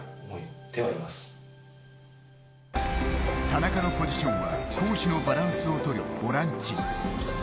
田中のポジションは攻守のバランスをとるボランチ。